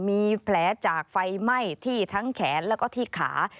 มีแผลจากไฟไหม้ที่ทั้งแขนแล้วก็ที่ขา